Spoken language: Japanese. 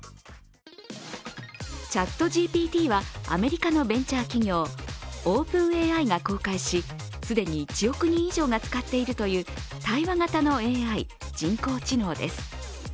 ＣｈａｔＧＰＴはアメリカのベンチャー企業ＯｐｅｎＡＩが公開し、既に１億人以上が使っているという対話型のＡＩ＝人工知能です。